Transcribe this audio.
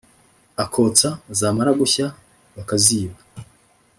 akotsa, zamara gushya bakaziba